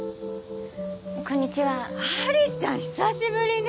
こんにちは有栖ちゃん久しぶりね